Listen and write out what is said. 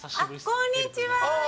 こんにちは。